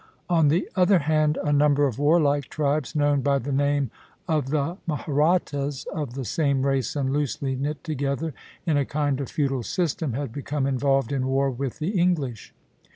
On the other hand, a number of warlike tribes, known by the name of the Mahrattas, of the same race and loosely knit together in a kind of feudal system, had become involved in war with the English.